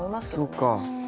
そっか。